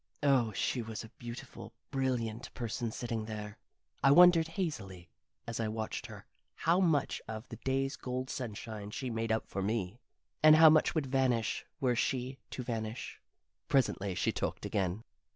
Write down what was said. Oh, she was a beautiful, brilliant person sitting there! I wondered hazily as I watched her how much of the day's gold sunshine she made up for me, and how much would vanish were she to vanish. Presently she talked again.